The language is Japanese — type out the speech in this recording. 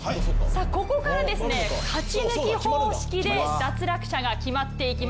ここから勝ち抜き方式で脱落者が決まっていきます。